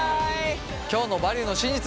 今日の「バリューの真実」